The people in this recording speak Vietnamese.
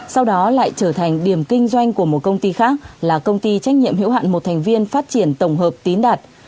sau đó lại trở thành điểm kinh doanh của một công ty khác là công ty trách nhiệm hiểu hạn một thành viên phát triển tổng hợp tín đạt